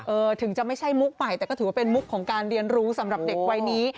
ถึงจะไม่ใช่มุกใหม่แต่ก็ถือว่าเป็นมุกของการเรียนรู้สำหรับเด็กวัยนี้